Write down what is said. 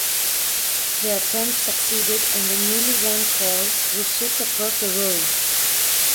The attempt succeeded and the newly won coal was shipped across the Ruhr.